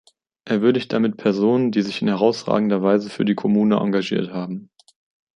Er würdigt damit Personen, die sich in herausragender Weise für die Kommune engagiert haben.